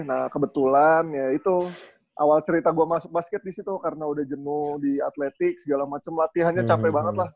nah kebetulan ya itu awal cerita gue masuk basket di situ karena udah jenuh di atletik segala macem latihannya capek banget lah